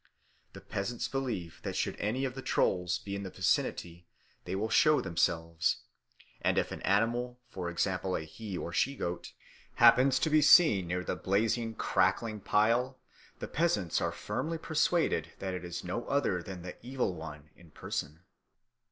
The peasants believe that should any of the Trolls be in the vicinity they will show themselves; and if an animal, for example a he or she goat, happens to be seen near the blazing, crackling pile, the peasants are firmly persuaded that it is no other than the Evil One in person.